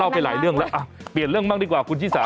เปลี่ยนเรื่องบ้างดีกว่าคุณชิสา